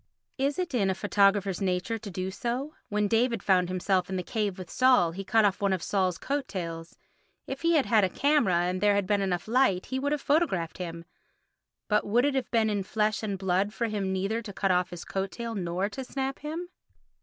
Is it in photographer's nature to do so? When David found himself in the cave with Saul he cut off one of Saul's coattails; if he had had a camera and there had been enough light he would have photographed him; but would it have been in flesh and blood for him neither to cut off his coat tail nor to snap him?